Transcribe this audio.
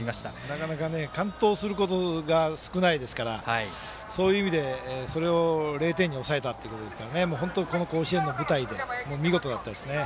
なかなか完投することが少ないですからそういう意味では０点に抑えたということですから本当、この甲子園の舞台で見事だったですね。